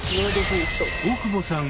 大久保さん